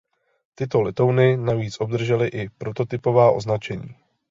Tyto letouny navíc obdržely i prototypová označení.